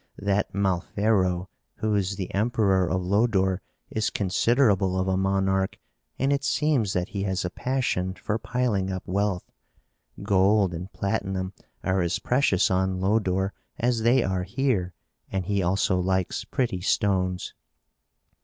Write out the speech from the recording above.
That Malfero, who is the emperor of Lodore, is considerable of a monarch, and it seems that he has a passion for piling up wealth. Gold and platinum are as precious on Lodore as they are here and he also likes pretty stones."